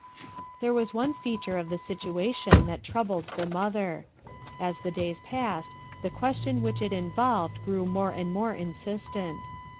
There was one feature of the situation that troubled the mother. As the days passed the question which it involved grew more and more insistent.